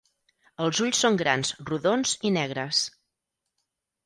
Els ulls són grans, rodons i negres.